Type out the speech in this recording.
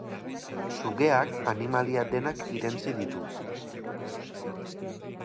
Sugeak animalia denak irentsi ditu.